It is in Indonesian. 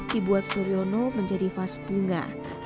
dibuat suryono menjadi vas bunga